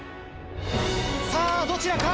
さあ、どちらか。